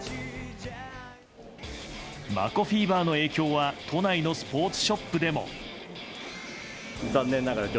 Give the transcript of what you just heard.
マコフィーバーの影響は都内のスポーツショップでも。